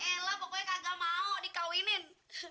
ela pokoknya kagak mau dikawinin